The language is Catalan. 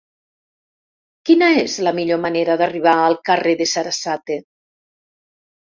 Quina és la millor manera d'arribar al carrer de Sarasate?